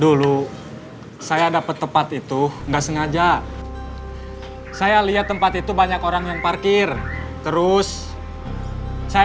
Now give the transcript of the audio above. dulu saya dapat tempat itu enggak sengaja saya lihat tempat itu banyak orang yang parkir terus saya